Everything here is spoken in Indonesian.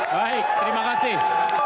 baik terima kasih